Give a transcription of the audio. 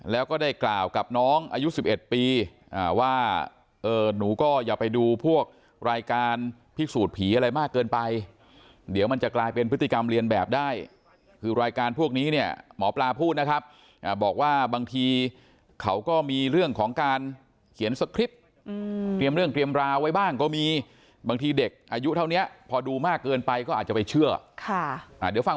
แล้วก็ได้กล่าวกับน้องอายุ๑๑ปีว่าเออหนูก็อย่าไปดูพวกรายการพิสูจน์ผีอะไรมากเกินไปเดี๋ยวมันจะกลายเป็นพฤติกรรมเรียนแบบได้คือรายการพวกนี้เนี่ยหมอปลาพูดนะครับบอกว่าบางทีเขาก็มีเรื่องของการเขียนสคริปต์เตรียมเรื่องเตรียมราวไว้บ้างก็มีบางทีเด็กอายุเท่านี้พอดูมากเกินไปก็อาจจะไปเชื่อค่ะเดี๋ยวฟัง